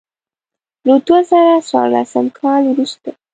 له دوه زره څوارلسم کال وروسته.